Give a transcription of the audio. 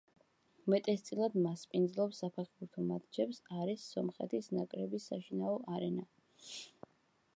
უმეტესწილად მასპინძლობს საფეხბურთო მატჩებს, არის სომხეთის ნაკრების საშინაო არენა.